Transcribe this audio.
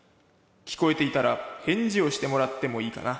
「聞こえていたら返事をしてもらってもいいかな」。